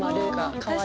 かわいい。